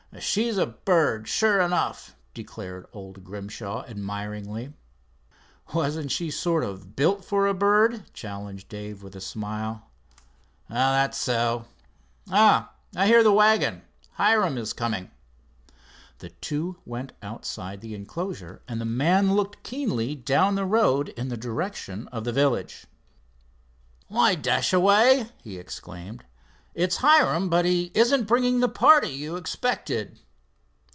"She's a bird, sure enough," declared old Grimshaw, admiringly. "Wasn't she sort of built for a bird?" challenged Dave, with a smile. "That's so. Ah, I hear the wagon. Hiram is coming." The two went outside the enclosure, and the man looked keenly down the road in the direction of the village. "Why Dashaway," he exclaimed, "it's Hiram, but he isn't bringing the party you expected."